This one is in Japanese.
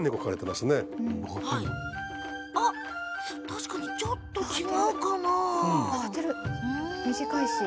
確かに、ちょっと違うかな。